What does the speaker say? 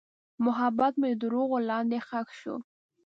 محبت مې د دروغو لاندې ښخ شو.